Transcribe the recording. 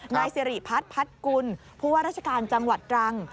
นายสิริพัฒน์พัดกุลผู้ว่าราชการจังหวัดตรัง